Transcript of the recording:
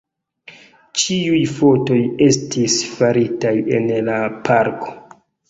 Ĉiuj fotoj estis faritaj en la parko.